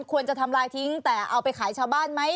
ควรจะทำลายทิ้งแต่เอาไปขายชาวบ้านไหม